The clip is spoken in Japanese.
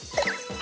あ！